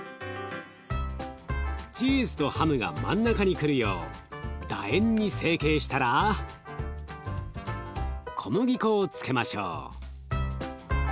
チーズとハムが真ん中に来るよう楕円に成形したら小麦粉をつけましょう。